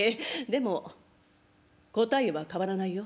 でも答えは変わらないよ。